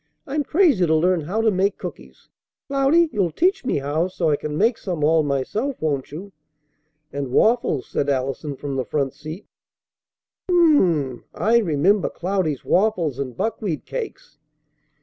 "I'm crazy to learn how to make cookies. Cloudy, you'll teach me how so I can make some all myself, won't you?" "And waffles!" said Allison from the front seat. "Um mmm mmmm! I remember Cloudy's waffles. And buckwheat cakes."